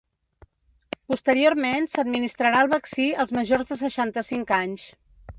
Posteriorment, s’administrarà el vaccí als majors de seixanta-cinc anys.